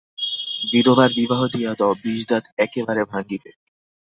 বিধবার বিবাহ দিয়া দাও–বিষদাঁত একেবারে ভাঙিবে।